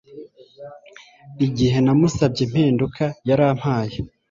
Igihe namusabye impinduka yarampaye